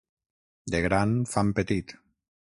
De gran fan petit.